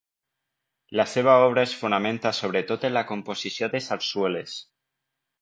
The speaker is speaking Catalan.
La seva obra es fonamenta sobretot en la composició de sarsueles.